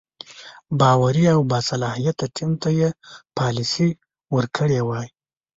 باوري او باصلاحیته ټیم ته یې پالیسي ورکړې وای.